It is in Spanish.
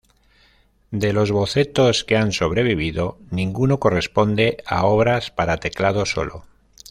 De los bocetos que han sobrevivido, ninguno corresponde a obras para teclado solo.